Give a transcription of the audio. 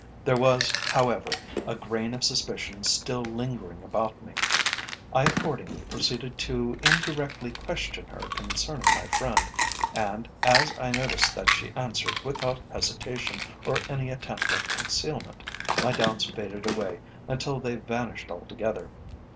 There was, however, a grain of suspicion still lingering about me. I accordingly proceeded to indirectly question her concerning my friend, and, as I noticed that she answered without hesitation or any attempt at concealment, my doubts faded away until they vanished altogether.